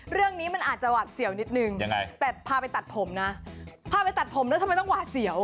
เรื่องนี้มันอาจจะหวาดเสี่ยวนิดนึงแต่พาไปตัดผมนะทำไมต้องหวาดเสี่ยว